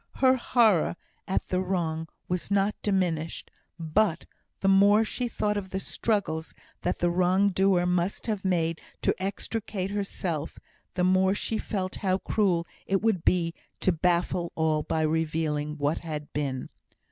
Her horror at the wrong was not diminished; but the more she thought of the struggles that the wrong doer must have made to extricate herself, the more she felt how cruel it would be to baffle all by revealing what had been.